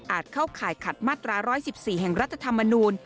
อาจเข้าข่ายขัดมัตรร้อย๑๔แห่งรัฐธรรมนูญ